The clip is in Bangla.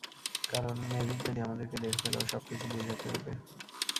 কারণ মেভিস যদি আমাদেরকে দেখে ফেলে ও সবকিছু বুঝে ফেলবে।